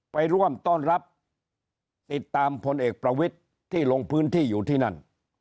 ไปร่วมต้อนรับติดตามผลเอกประวิทย์ที่ลงพื้นที่อยู่ที่นั่น